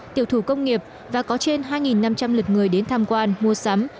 tiểu thủ công nghiệp và có trên hai năm trăm linh lượt người đến tham quan mua sắm